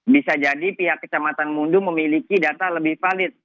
bisa jadi pihak kecamatan mundu memiliki data lebih valid